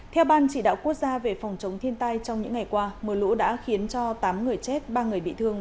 theo ban chỉ đạo quốc gia về phòng chống thiên tai trong những ngày qua mưa lũ đã khiến cho tám người chết ba người bị thương